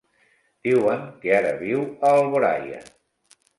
Diuen que ara viu a Alboraia.